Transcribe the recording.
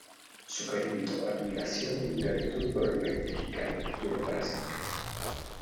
Su cariño, admiración y gratitud por el país mexicano duró para siempre.